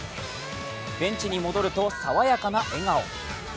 ベンチに戻ると、さわやかな笑顔。